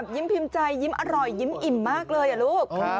ยิ้มพิมพ์ใจยิ้มอร่อยยิ้มอิ่มมากเลยลูก